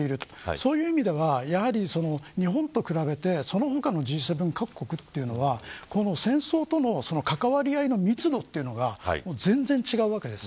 そういう意味ではやはり日本と比べてその他のＧ７各国は戦争との関わり合いの密度が全然違うわけです。